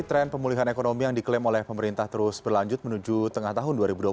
tren pemulihan ekonomi yang diklaim oleh pemerintah terus berlanjut menuju tengah tahun dua ribu dua puluh satu